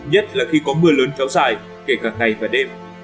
nhất là khi có mưa lớn kéo dài kể cả ngày và đêm